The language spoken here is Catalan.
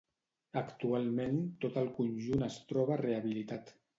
Actualment, tot el conjunt es troba rehabilitat.